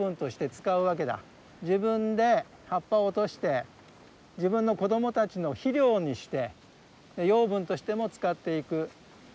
自分で葉っぱを落として自分の子どもたちの肥料にして養分としても使っていくね。